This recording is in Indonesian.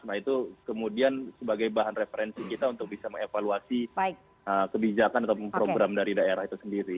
nah itu kemudian sebagai bahan referensi kita untuk bisa mengevaluasi kebijakan atau program dari daerah itu sendiri